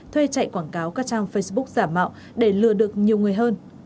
thuê chạy quảng cáo các trang facebook giả mạo để lừa được nhiều người hơn